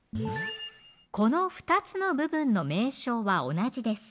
この２つの部分の名称は同じです